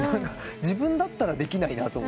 自分だったらできないなと。